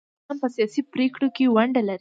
ځوانان په سیاسي پریکړو کې ونډه لري.